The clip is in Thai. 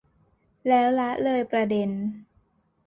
แล้วละเลยประเด็น